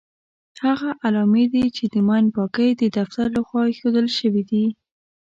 هغه علامې دي چې د ماین پاکۍ د دفتر لخوا ايښودل شوې دي.